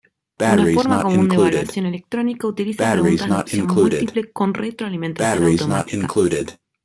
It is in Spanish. Una forma común de evaluación electrónica utiliza preguntas de opción múltiple con retroalimentación automática.